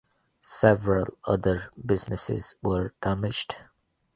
Several other businesses were damaged.